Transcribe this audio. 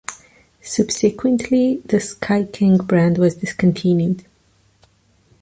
Subsequently, the SkyKing brand was discontinued.